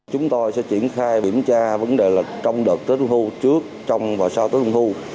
chúng tôi sẽ triển khai kiểm tra vấn đề trong đợt tết trung thu trước trong và sau tết trung thu